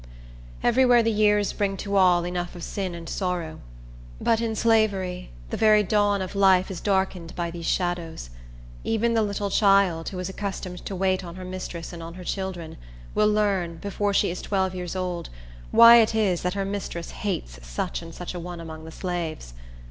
Every where the years bring to all enough of sin and sorrow; but in slavery the very dawn of life is darkened by these shadows. Even the little child, who is accustomed to wait on her mistress and her children, will learn, before she is twelve years old, why it is that her mistress hates such and such a one among the slaves.